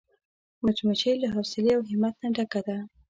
مچمچۍ له حوصلې او همت نه ډکه ده